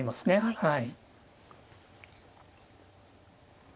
はい。